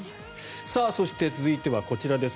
そして続いてはこちらです。